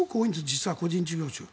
実は、個人事業者の。